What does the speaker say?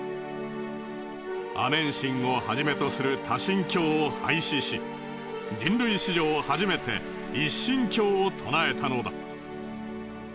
アメン神をはじめとする多神教を廃止し人類史上初めて一神教を唱えたのだ。